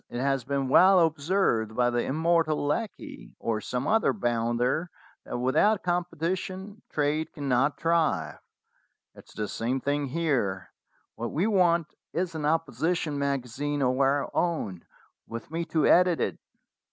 It has been well observed by the immortal Lecky, or some other bounder, that without competition trade cannot thrive. It is the same thing here. What we want is an opposition magazine of our own, with me to edit it."